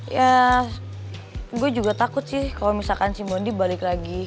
ya gua juga takut sih kalo misalkan si mondi balik lagi